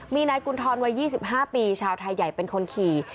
มีนายกุณฑรวัย๒๕ปีชาวไทยใหญ่เป็นคนขี่